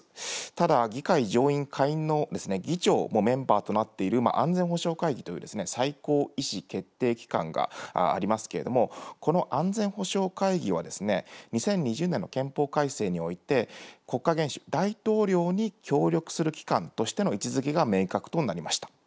ただ、議会上院下院の議長もメンバーとなっている、安全保障会議という最高意思決定機関がありますけれども、この安全保障会議は、２０２０年の憲法改正において、国家元首、大統領に協力する機関としての位置づけが明確となりました。